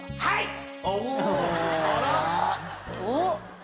はい。